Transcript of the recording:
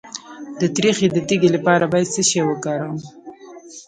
د تریخي د تیږې لپاره باید څه شی وکاروم؟